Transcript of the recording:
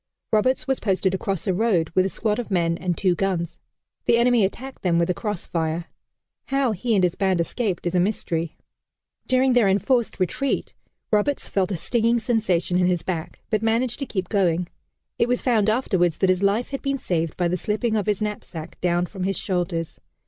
Roberts was posted across a road with a squad of men and two guns. The enemy attacked them with a cross fire. How he and his band escaped is a mystery. During their enforced retreat, Roberts felt a stinging sensation in his back, but managed to keep going. It was found afterwards that his life had been saved by the slipping of his knapsack down from his shoulders.